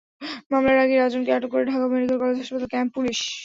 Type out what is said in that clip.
মামলার আগেই রাজনকে আটক করে ঢাকা মেডিকেল কলেজ হাসপাতাল ক্যাম্প পুলিশ।